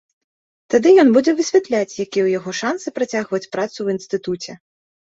Тады ён будзе высвятляць, якія ў яго шансы працягваць працу ў інстытуце.